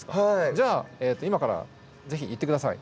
じゃあ今からぜひ行って下さい。